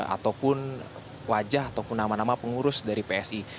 ataupun wajah ataupun nama nama pengurus dari psi